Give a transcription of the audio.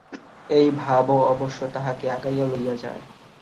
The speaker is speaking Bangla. এই ভাবও অবশ্য তাহাকে আগাইয়া লইয়া যায়।